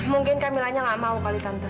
mungkin kamilanya gak mau kalau santai